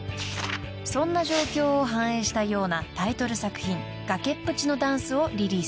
［そんな状況を反映したようなタイトル作品『崖っぷちのＤＡＮＣＥ』をリリース］